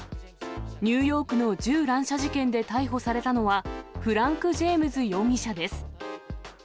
ニューヨークの銃乱射事件で逮捕されたのは、フランク・ジェームズ容疑者です。